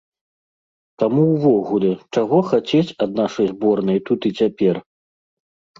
Таму ўвогуле, чаго хацець ад нашай зборнай тут і цяпер?